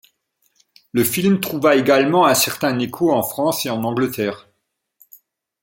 Le film trouva également un certain écho en France et en Angleterre.